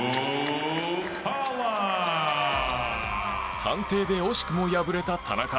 判定で惜しくも敗れた田中。